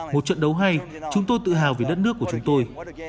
một trận đấu hay chúng tôi tự hào về đất nước của chúng tôi